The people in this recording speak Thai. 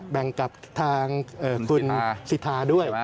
แบ่งกับทางคุณสิทธาด้วย